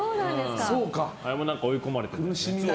あれも追い込まれて。